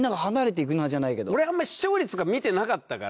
俺あんまり視聴率とか見てなかったから。